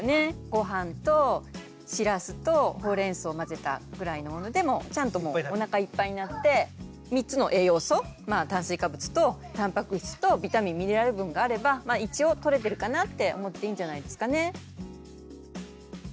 ごはんとしらすとほうれんそうを混ぜたぐらいのものでもちゃんとおなかいっぱいになって３つの栄養素炭水化物とたんぱく質とビタミン・ミネラル分があれば一応とれてるかなって思っていいんじゃないですかね。